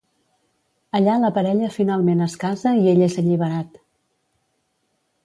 Allà la parella finalment es casa i ell és alliberat.